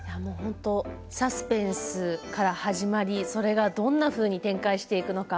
サスペンスから始まりそれがどんなふうに展開していくのか